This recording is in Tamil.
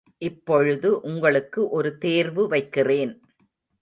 இப்பொழுது உங்களுக்கு ஒரு தேர்வு வைக்கிறேன்.